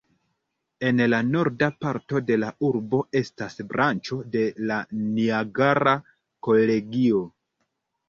En la norda parto de la urbo estas branĉo de la Niagara Kolegio.